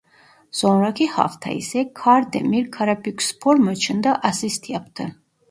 Sonraki hafta ise Kardemir Karabükspor maçında asist yaptı.